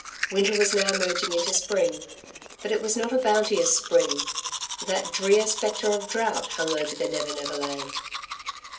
Winter was now merging into spring. But it was not a bounteous spring. That drear spectre of drought hung over the Never Never Land.